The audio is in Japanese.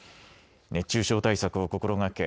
熱中症対策を心がけ